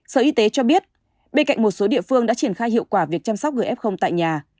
sở y tế cho biết bên cạnh một số địa phương đã triển khai hiệu quả việc chăm sóc gf tại nhà